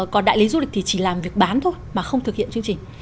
còn đại lý du lịch thì chỉ làm việc bán thôi mà không thực hiện chương trình